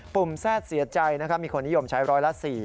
ปุ่มแซ่ดเสียใจมีคนนิยมใช้๑๐๐ละ๔